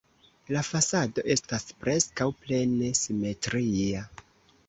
La fasado estas preskaŭ plene simetria.